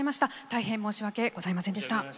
大変申し訳ございませんでした。